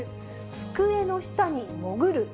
机の下に潜る。